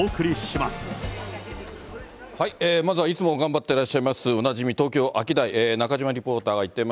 まずはいつも頑張ってらっしゃいます、おなじみ、東京、アキダイ、中島リポーターが行っています。